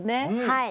はい。